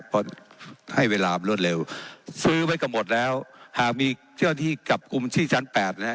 เพราะให้เวลามรวดเร็วซื้อไว้กันหมดแล้วหากมีเที่ยวที่กลับกุมที่ชั้นแปดน่ะ